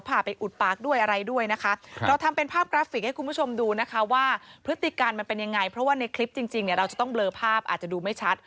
เพราะว่าในคลิปจริงเราจะต้องเบลอภาพอาจจะดูไม่ชัด